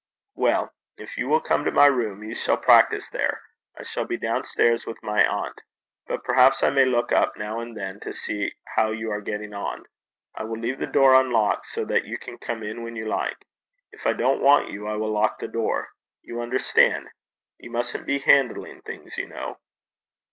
'Well, if you will come to my room, you shall practise there. I shall be down stairs with my aunt. But perhaps I may look up now and then, to see how you are getting on. I will leave the door unlocked, so that you can come in when you like. If I don't want you, I will lock the door. You understand? You mustn't be handling things, you know.'